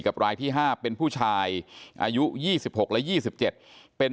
กับรายที่ห้าเป็นผู้ชายอายุยี่สิบหกและยี่สิบเจ็ดเป็น